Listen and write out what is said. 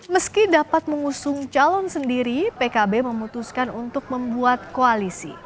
meski dapat mengusung calon sendiri pkb memutuskan untuk membuat koalisi